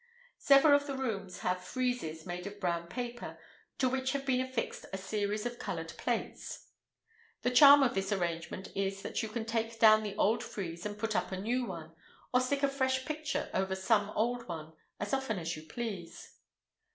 Several of the rooms have friezes made of brown paper, to which have been affixed a series of coloured plates. The charm of this arrangement is that you can take down the old frieze and put up a new one—or stick a fresh picture over some old one—as often as you please.